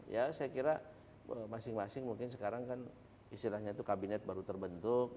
ya saya kira masing masing mungkin sekarang kan istilahnya itu kabinet baru terbentuk